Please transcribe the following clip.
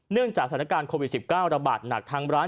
จากสถานการณ์โควิด๑๙ระบาดหนักทางร้าน